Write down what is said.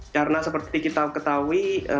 karena seperti kita ketahui